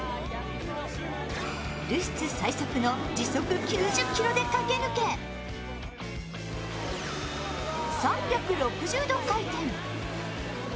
ルスツ最速の時速９０キロで駆け抜け３６０度回転。